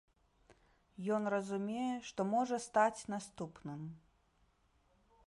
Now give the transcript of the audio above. Ён разумее, што можа стаць наступным.